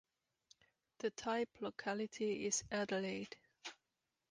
The type locality is Adelaide.